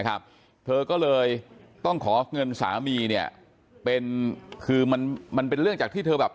เธอก็เลยต้องขอเงินสามีเนี่ยเป็นคือมันมันเป็นเรื่องจากที่เธอแบบ